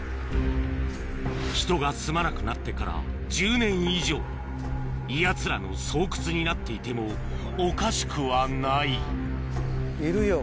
人が住まなくなってから１０年以上やつらの巣窟になっていてもおかしくはないいるよ